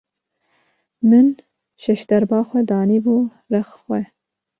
Min şejderba xwe danî bû rex xwe.